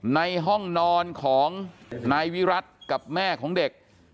ในห้องนอนของนายวิรัติกับแม่ของเด็ก